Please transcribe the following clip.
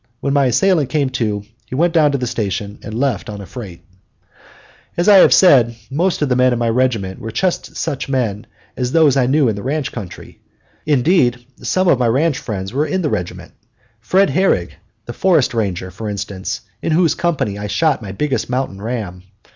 When my assailant came to, he went down to the station and left on a freight. As I have said, most of the men of my regiment were just such men as those I knew in the ranch country; indeed, some of my ranch friends were in the regiment Fred Herrig, the forest ranger, for instance, in whose company I shot my biggest mountain ram.